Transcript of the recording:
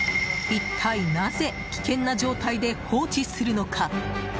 一体なぜ危険な状態で放置するのか。